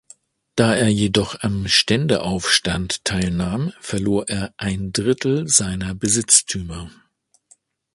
Da er jedoch am Ständeaufstand teilnahm, verlor er ein Drittel seiner Besitztümer.